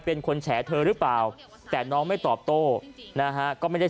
เป็นคนแฉเธอหรือเปล่าแต่น้องไม่ตอบโต้นะฮะก็ไม่ได้